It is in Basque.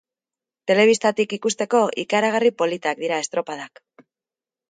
Telebistatik ikusteko, ikaragarri politak dira estropadak.